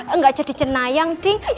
enggak jadi cenayang ding